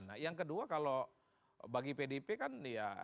nah yang kedua kalau bagi pdip kan ya